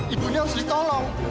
ibunya harus ditolong